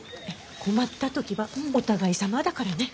困った時はお互いさまだからね。